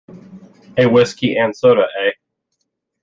A whisky and soda, eh?